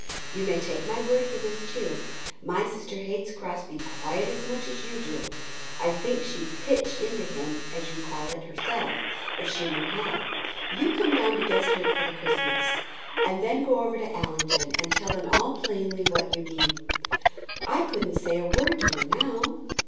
You may take my word for this, too, my sister hates Crosbie quite as much as you do. I think she'd 'pitch into him,' as you call it, herself, if she knew how. You come down to Guestwick for the Christmas, and then go over to Allington and tell them all plainly what you mean." "I couldn't say a word to her now."